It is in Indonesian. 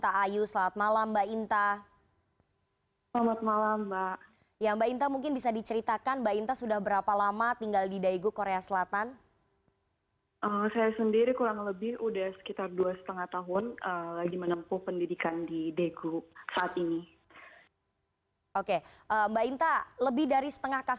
hujan pengambilan mariaonen sembilan keluaran aboardgg